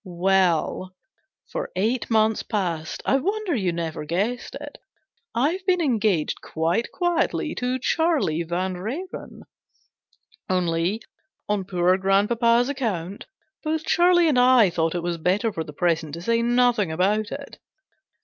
Well, for eight months past I wonder you never guessed it I've been engaged quite quietly to Charlie Vanrenen. Only, on poor grandpapa's account, both Charlie and I thought it was better for the present to say nothing about it."